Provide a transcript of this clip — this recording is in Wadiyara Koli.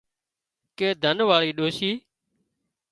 ڪي ڌن واۯي ڏوشي